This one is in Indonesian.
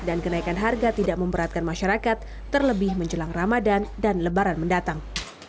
kenaikan harga tidak memberatkan masyarakat terlebih menjelang ramadan dan lebaran mendatang